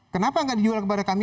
kenapa nggak dijual kepada kami